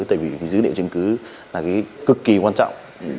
tại vì dữ liệu chứng cứ là cái cực kỳ quan trọng